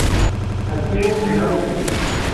Activo en Austria.